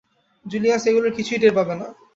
Julius এগুলোর কিছুই টের পাবে না।